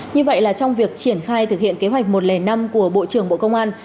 như vậy là trong việc triển khai thực hiện kế hoạch một trăm linh năm của bộ trưởng bộ công an